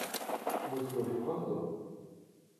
Ur twufqeḍ?